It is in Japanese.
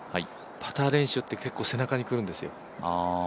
パター練習って結構背中に来るんですよ。